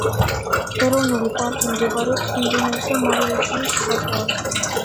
ეროვნული პარკი მდებარეობს ინდონეზია–მალაიზიის საზღვარზე.